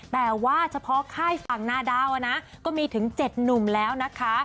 แต่ว่าเฉพาะค่ายฝั่งนาดาวนะก็มีถึง๗หนุ่มแล้วนะคะ